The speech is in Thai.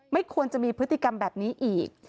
ไม่ควรจะมีพฤติกรรมแบบนี้อีก